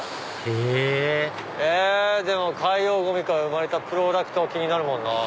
へぇ海洋ゴミから生まれたプロダクト気になるもんなぁ。